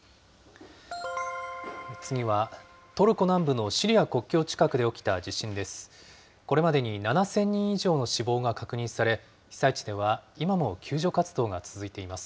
次は、トルコ南部のシリア国境近くで起きた地震です。